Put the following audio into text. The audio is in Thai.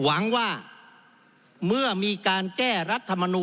จึงฝากกลับเรียนเมื่อเรามีการแก้รัฐพาหารกันอีก